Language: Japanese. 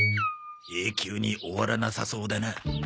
永久に終わらなさそうだな。